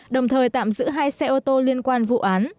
đồng thời tạm giữ hai xe ô tô liên quan vụ án